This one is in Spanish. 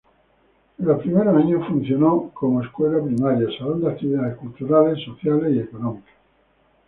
En los primeros años funcionó como escuela primaria, salón de actividades culturales, sociales, económicas.